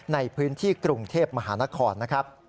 ในพื้นที่กรุงเทพมหานครนะครับ